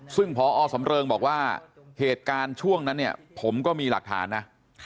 ซึ่งพอสำเริงบอกว่าเหตุการณ์ช่วงนั้นเนี่ยผมก็มีหลักฐานนะ